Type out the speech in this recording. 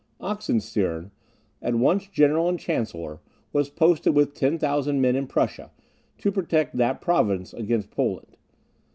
Oxenstiern, at once general and chancellor, was posted with 10,000 men in Prussia, to protect that province against Poland.